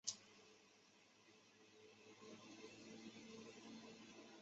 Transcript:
可以从任何大小以电脑和网际网路为基础的设备查看或存取网页。